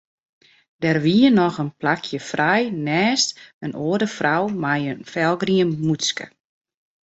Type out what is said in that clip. Der wie noch in plakje frij neist in âlde frou mei in felgrien mûtske.